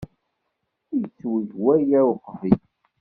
Yettweg waya uqbel?